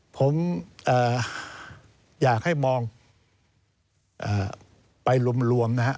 ผมอยากให้มองไปลุมลวงนะฮะ